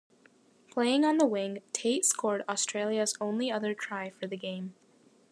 Playing on the wing, Tate scored Australia's only other try for the game.